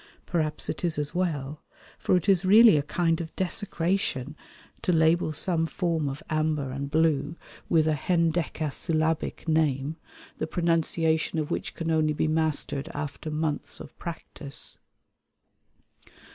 Perhaps it is as well, for it is really a kind of desecration to label some fairy form of amber and blue with a hendecasyllabic name, the pronunciation of which can only be mastered after months of practice.